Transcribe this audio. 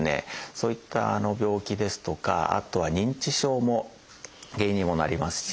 そういった病気ですとかあとは「認知症」も原因にもなりますし。